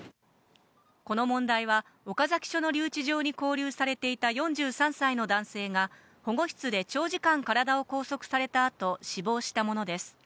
この問題は、岡崎署の留置場に勾留されていた４３歳の男性が、保護室で長時間、体を拘束されたあと死亡したものです。